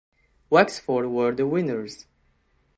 Wexford were the winners.